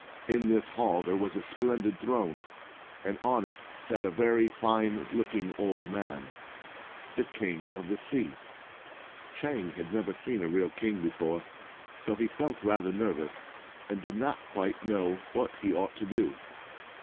In this hall there was 249 a splendid throne, and on it sat a very fine looking old man — the King of the Sea. Chang had never seen a real king before, so he felt rather nervous, and did not quite know what he ought to do.